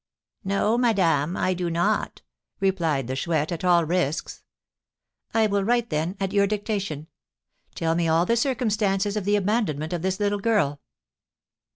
"No, madame; I do not!" replied the Chouette, at all risks. "I will write, then, at your dictation. Tell me all the circumstances of the abandonment of this little girl."